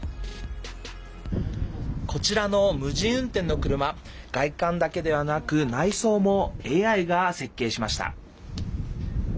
こちらの無人運転の車外観だけではなく内装もＡＩが設計しました。